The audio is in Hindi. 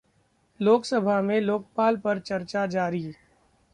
लोकसभा में लोकपाल पर चर्चा जारी